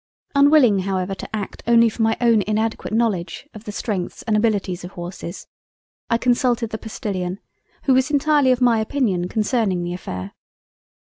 Unwilling however to act only from my own inadequate Knowledge of the Strength and Abilities of Horses, I consulted the Postilion, who was entirely of my Opinion concerning the Affair.